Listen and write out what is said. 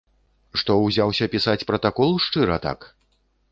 Што ўзяўся пісаць пратакол шчыра так?